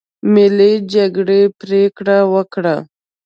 ملي جرګې پرېکړه وکړه.